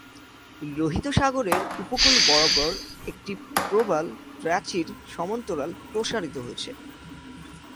লোহিত সাগরের উপকূল বরাবর একটি প্রবাল প্রাচীর সমান্তরাল প্রসারিত হয়েছে।